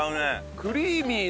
クリーミー。